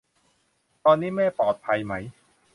ตอนนี้แม่ปลอดภัยไหม ?